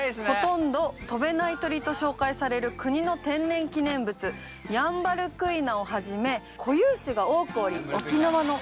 「ほとんど飛べない鳥」と紹介される国の天然記念物ヤンバルクイナをはじめ固有種が多くおり。